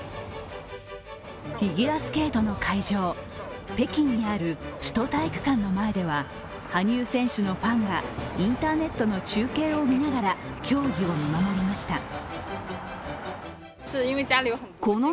フィギュアスケートの会場、北京にある首都体育館の前では羽生選手のファンがインターネットの中継を見ながら競技を見守りました。